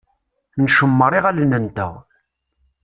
Ncemmeṛ iɣallen-nteɣ.